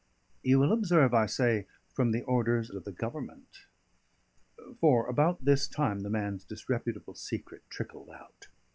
You will observe I say: "from the orders of the Government"; for about this time the man's disreputable secret trickled out.